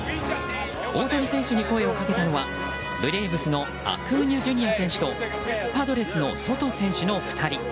大谷選手に声をかけたのはブレーブスのアクーニャＪｒ．選手とパドレスのソト選手の２人。